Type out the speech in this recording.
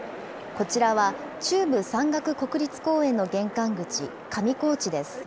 こちらは中部山岳国立公園の玄関口、上高地です。